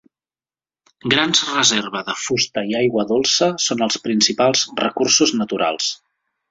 Grans reserva de fusta i aigua dolça són els principals recursos naturals.